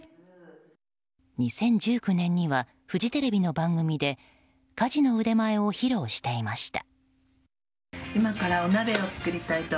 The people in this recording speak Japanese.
２０１９年にはフジテレビの番組で家事の腕前を披露していました。